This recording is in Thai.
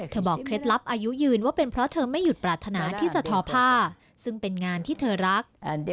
บอกเคล็ดลับอายุยืนว่าเป็นเพราะเธอไม่หยุดปรารถนาที่จะทอผ้าซึ่งเป็นงานที่เธอรัก